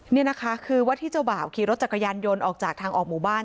นี่นะคะคือวัดที่เจ้าบ่าวขี่รถจักรยานยนต์ออกจากทางออกหมู่บ้าน